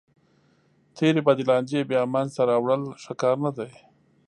تېرې بدې لانجې بیا منځ ته راوړل ښه کار نه دی.